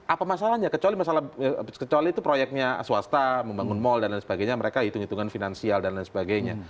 apa masalahnya kecuali masalah kecuali itu proyeknya swasta membangun mal dan lain sebagainya mereka hitung hitungan finansial dan lain sebagainya